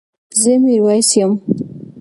زه ميرويس يم